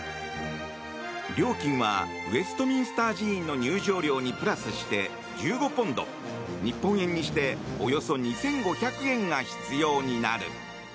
料金はウェストミンスター寺院の入場料にプラスして１５ポンド、日本円にしておよそ２５００円が必要になる。